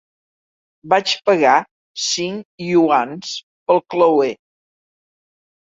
Vaig pagar cinc iuans pel clauer.